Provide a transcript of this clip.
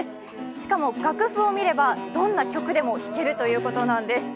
しかも楽譜を見ればどんな曲でも弾けるということなんです。